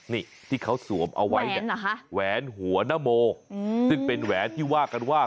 นี่ที่เขาสวมเอาไว้เนี่ยแหวนหัวนโมซึ่งเป็นแหวนที่ว่ากันว่า